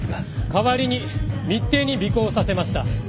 代わりに密偵に尾行させました。